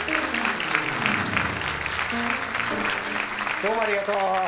どうもありがとう。